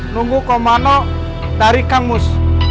nunggu komano dari kang mus